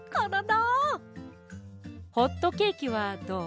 ホットケーキはどう？